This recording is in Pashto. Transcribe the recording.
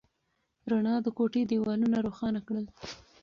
رڼا د کوټې دیوالونه روښانه کړل.